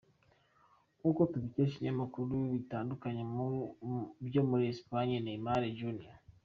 Nk’uko tubikesha ibinyamakuru bitandukanye byo muri Espagne, Neymar Jr.